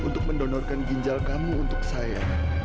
untuk mendonorkan ginjal kamu untuk saya